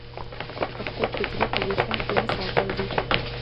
پۀ خپل فطري پوزيشن کښې نۀ ساتل دي